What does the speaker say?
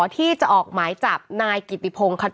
ที่จะออกหมายจับนายกิติพงศ์